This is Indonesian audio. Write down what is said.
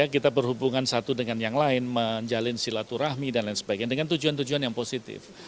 kita berhubungan satu dengan yang lain menjalin silaturahmi dan lain sebagainya dengan tujuan tujuan yang positif